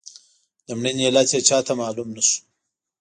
د مړینې علت یې چاته معلوم نه شو.